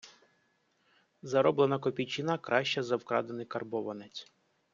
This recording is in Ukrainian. Зароблена копійчина краща за вкрадений карбованець